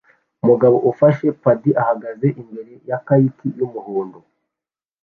Umugabo ufashe padi ahagaze imbere ya kayaki yumuhondo